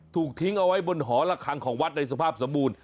ถูกทิ้งเอาไว้บนหอละคังของวัดในสภาพสมบูรณ